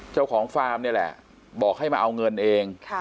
เจ้าของความเนี่ยแหละบอกให้มาเอาเงินเองค่ะ